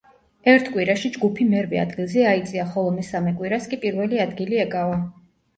ერთ კვირაში ჯგუფი მერვე ადგილზე აიწია, ხოლო მესამე კვირას კი პირველი ადგილი ეკავა.